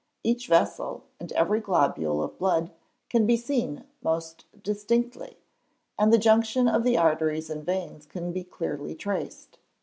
Each vessel, and every globule of blood, can be seen most distinctly, and the junction of the arteries and veins can be clearly traced.